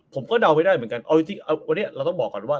ผมก็เดาไม่ได้เหมือนกันเอาอย่างนี้เราต้องบอกก่อนว่า